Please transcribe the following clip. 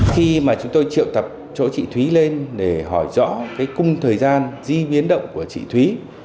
khi mà chúng tôi triệu tập chỗ chị thúy lên để hỏi rõ cái cung thời gian di biến động của chị thúy